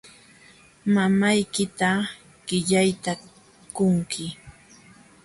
Mamaykita qillayta qunki.